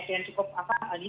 dengan cukup detail